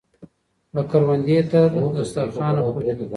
له کروندې تر دسترخانه پورې.